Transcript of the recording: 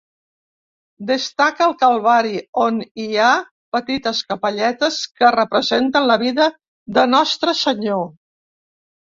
Destaca el calvari on hi ha petites capelletes que representen la vida de Nostre Senyor.